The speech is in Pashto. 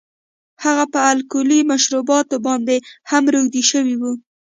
هغه په الکولي مشروباتو باندې هم روږدی شوی و